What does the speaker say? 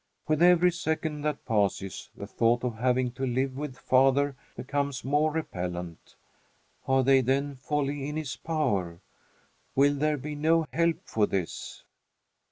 With every second that passes, the thought of having to live with father becomes more repellent. Are they then wholly in his power? Will there be no help for this?